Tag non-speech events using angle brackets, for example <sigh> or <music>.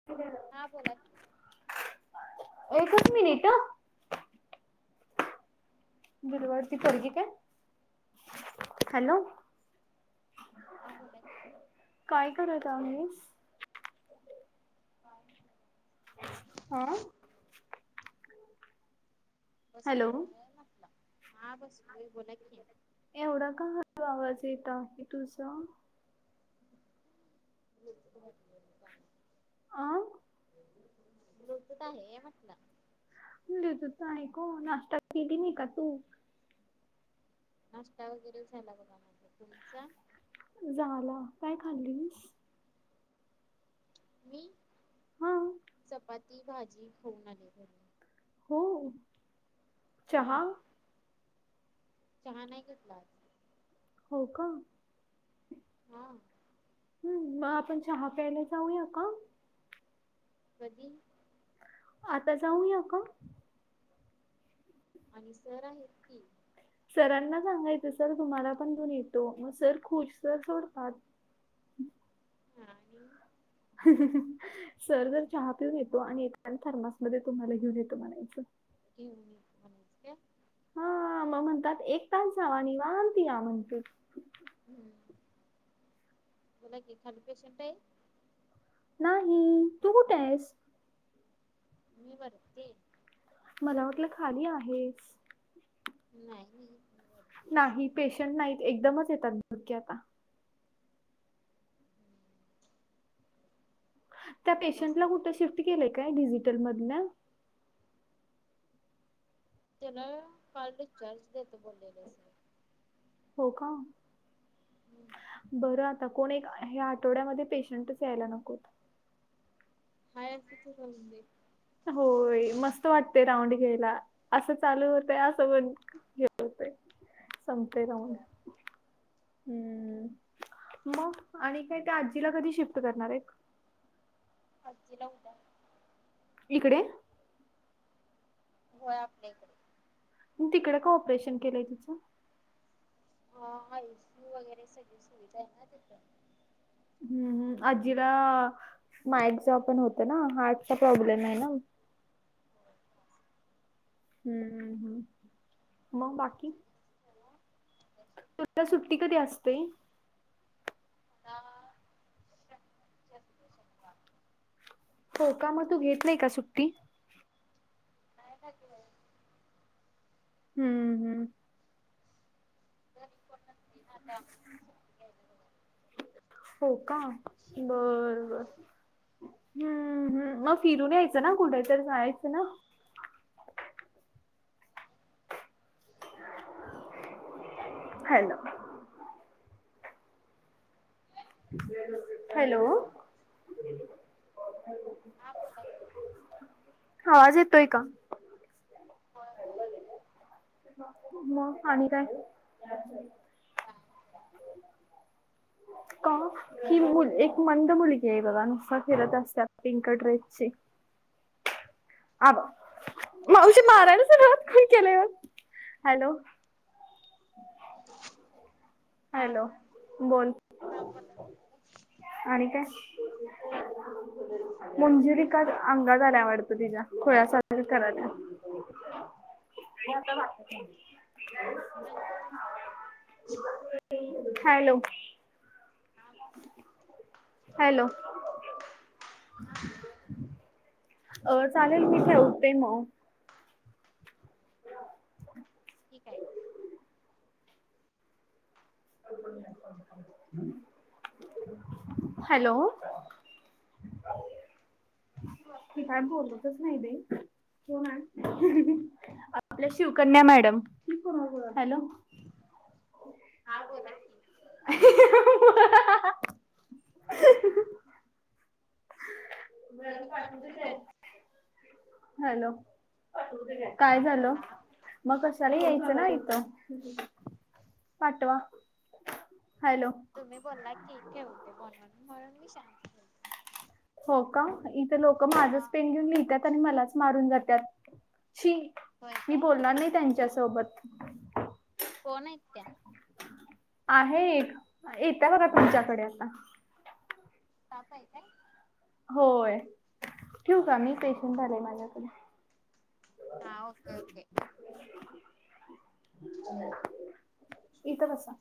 ह हा बोला एकच मिनिट दिलवडती पज का हॅलो हा बोलात. काय करात आम्ही हय. हा हॅलो बसलोय म्हटला हा बसलोय बोला की, एवढा का ह आवाज येत आहे. तुझ का अ मृतत आहे म्हटलं. तत आहेक नाश्ता केली नाही का तू, नाष्ट्ता वगैरे झाला बघा माझ तुमचा, झाला काय खाल्ली, मी हा चपाती भाजी खाऊन आले घरी हो हा चहा चहा नाही घेतला. हो का हा. हम् मग आपण चहा प्यायला जाऊया का? कधी? आता जाऊया का? आणि सर आहेत की, सरांना सांगायचं सर तुम्हाला पण घेऊन येतो म सर खुश सर सोडतात. हा आणि सर जर चहा पिऊन येतो आणि येताना थर्मासमध्ये तुम्हाला घेऊन येतो म्हणायचं घेऊन येतो म्हणायचं काय हा मं म्हणतात एक तास जावा आणि निवांत या म्हणतील हम्म बोला की, खाली पेशनट आहे. नाही तू कुठ आहेस? मी वरती ये. मला वाटलं खाली आहेस. नाय नी वर नाही पेशंट नाहीत एकदमच येतात बघ की आता त्या नाकाय सर पेशंटला कुठं शिफ्ट केलंय काय डिजिटल मधल्या त्याला काल डीचार्ज देतो बोललेले सर हो का. हम्म. बरं आता कोण एक हया आठवड्यामध्ये पेशंटच यायला नकोत. खायास तस करून दे. होय मस्त वाटतय राऊंड घ्यायला असं चालू होतय असं बंद घेत होतंय संपतेय राउंड होय हम्म मग आणि काय त्या आजीला कधी शिफ्ट करणार आहेत. आजी ला उद्या, इकडे होय आपल्या इकडे, मं तिकडे का ऑपरेशन केलंय तिचं? हा आय सि यू वगैरे सगळी सुविधा आहे ना तिथं हम्म आजीला ना एक्सेझो पण होतं ना हार्टचा प्रॉब्लेम आहे ना, होय. हूं हूं हूं मग बाकी आता सुट्टी कधी असते? आता शक शस्त शकवा, हो का मग तू घेत नाय का सुट्टी. काय खाते बाई हम्म हम्म. हाय ना त्यामुळं हो का बर बर हम्म हम्म म फिरून यायचं ना कुठे तर जायचं ना. हॅलो हॅलो हा बोला आवाज येतोय का? होय होय. म आणि काय का ही मुल एक मंद मुलगी आहे बघा नुसा फिरत असत्या पिंक ड्रेसची. अ मावशी मारायला सुरवात कोण केलंय ओ, हॅलो हा हॅलो बोल. हा बोला की, आणि काय मंजूलिका अंगात आल्या वाडतं तिच्या खुळ्या सारख करायलाय. <inaudible> ते आता हा हॅलो हॅलो अ चालेल मी ठेवते मग. <inaudible> ठीक आहे. हॅलो ती काय बोलतच नाही बाई. आपल्या शिवकन्या मॅडम हॅलो हां बोला की. <inaudible> मॅडम पाटूदे काय? हॅलो काय हा झाल? बोला आपण मग कशाला यायचं ना काय इथ. पाटवा. हॅलो तुम्ही बोलला की ठेवतो म्हनून म्हणून मी शांत हो का इथं लोक हा माझंच पेन घेऊन लिहितात आणि मलाच मारून जात्यात. शी होय मी काय बोलणार नाही त्यांच्यासोबत. कोण हायत त्या? आहे एक, येत्या बघा तुमच्याकडे आता. तापा हाय काय? होय. ठेऊ का मी पेशंट आलय माझ्याकडे. हा ओके ओके. <unintelligible> इथं बसा.